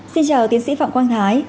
xin chào tiến sĩ phạm khoang thái